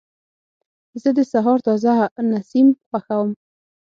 زه د سهار تازه نسیم خوښوم.